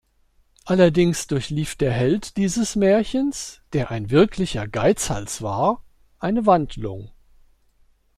Allerdings durchlief der Held dieses Märchens, der ein wirklicher Geizhals war, eine Wandlung.